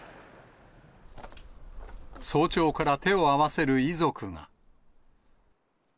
早朝から手を合わせる遺族が。